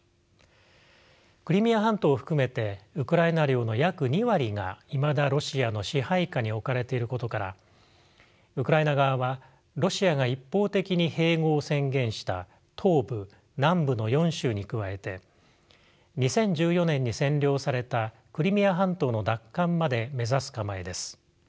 クリミア半島を含めてウクライナ領の約２割がいまだロシアの支配下に置かれていることからウクライナ側はロシアが一方的に「併合」を宣言した東部南部の４州に加えて２０１４年に占領されたクリミア半島の奪還まで目指す構えです。